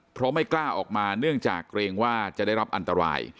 เพราะไม่กล้าออกมาเนื่องจากเกรงว่าจะได้รับอันตราย